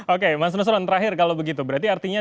oke mas nusron terakhir kalau begitu berarti artinya